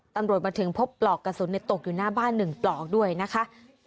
ตำรวจมาถึงพบปลอกกระสุนตกอยู่หน้าบ้าน๑ปลอกด้วยนะคะ